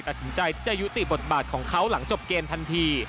ตัดสินใจที่จะยุติบทบาทของเขาหลังจบเกมทันที